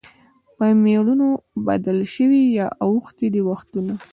یا مېړونه بدل سوي یا اوښتي دي وختونه